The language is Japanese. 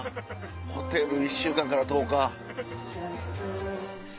ホテル１週間から１０日。